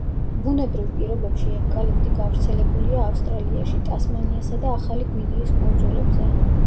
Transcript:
ბუნებრივ პირობებში ევკალიპტი გავრცელებულია ავსტრალიაში, ტასმანიასა და ახალი გვინეის კუნძულებზე.